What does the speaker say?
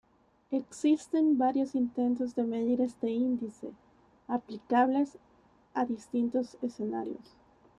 Existen varios intentos de medir este índice, aplicables a distintos escenarios.